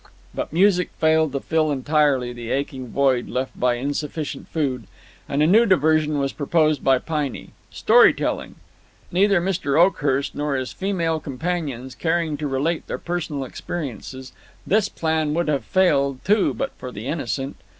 But music failed to fill entirely the aching void left by insufficient food, and a new diversion was proposed by Piney storytelling. Neither Mr. Oakhurst nor his female companions caring to relate their personal experiences, this plan would have failed too but for the Innocent.